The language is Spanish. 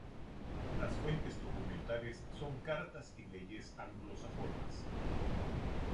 Las fuentes documentales son cartas y leyes anglosajonas.